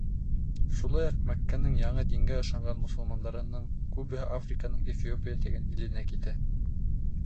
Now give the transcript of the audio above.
Шулай уҡ Мәккәнең яңы дингә ышанған мосолмандарының күбеһе Африканың Эфиопия тигән иленә китә.